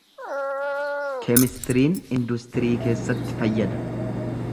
Keemistiriin industirii keessatti fayyada.